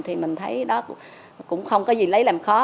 thì mình thấy đó cũng không có gì lấy làm khó